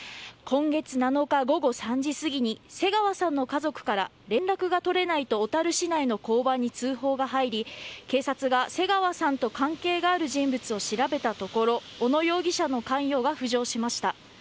今月７日午後３時過ぎに瀬川さんの家族から連絡が取れないと小樽市内の交番に通報が入り警察が瀬川さんと関係がある人物を調べたところ小野容疑者の関与が浮上しました。